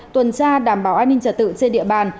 tuần tra đảm bảo an ninh trật tự trên địa bàn